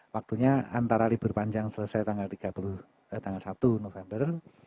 waktunya antara libur panjang selesai tanggal satu november